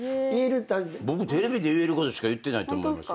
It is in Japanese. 僕テレビで言えることしか言ってないと思いますよ。